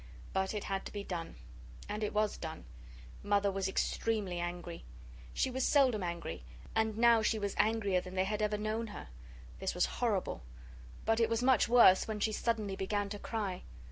But it had to be done. And it was done. Mother was extremely angry. She was seldom angry, and now she was angrier than they had ever known her. This was horrible. But it was much worse when she suddenly began to cry.